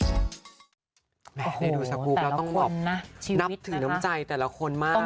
โอ้โหแต่ละคนนะชีวิตนับถือน้ำใจแต่ละคนมาก